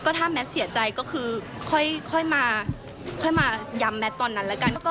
ถ้าแมทเสียใจก็คือค่อยมาย้ำแมทตอนนั้นแล้วกัน